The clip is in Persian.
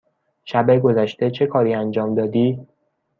شب گذشته چه کاری انجام دادی؟